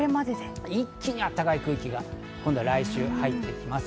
一気に暖かい空気が来週、入ってきます。